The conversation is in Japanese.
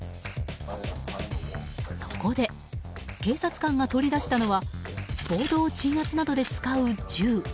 そこで、警察官が取り出したのは暴動鎮圧などで使う銃。